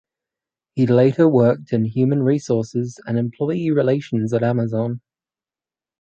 He later worked in human resources and employee relations at Amazon.